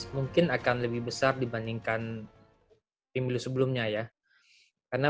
mungkin akan lebih besar dibandingkan pemilu sebelumnya ya karena